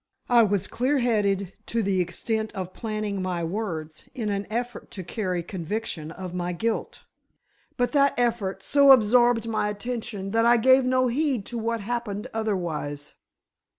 I was clear headed to the extent of planning my words in an effort to carry conviction of my guilt, but that effort so absorbed my attention that I gave no heed to what happened otherwise."